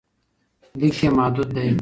لیک یې محدود دی.